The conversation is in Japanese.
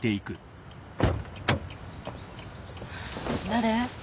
誰？